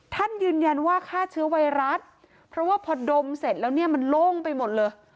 ท่านยืนยันว่าฆ่าเชื้อไวรัสเพราะว่าพอดมเสร็จแล้วเนี่ยมันโล่งไปหมดเลย